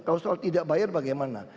kalau soal tidak bayar bagaimana